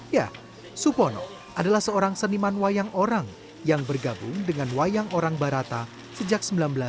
ya supono adalah seorang seniman wayang orang yang bergabung dengan wayang orang barata sejak seribu sembilan ratus delapan puluh